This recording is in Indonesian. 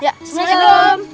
ya semuanya salam